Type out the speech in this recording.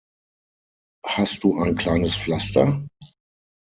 Hast du ein kleines Pflaster.